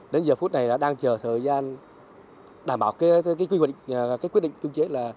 đến giờ phút này đã đang chờ thời gian đảm bảo cái quyết định chung chế là